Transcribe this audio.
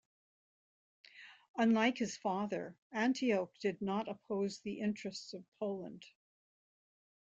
Unlike his father, Antioch did not oppose the interests of Poland.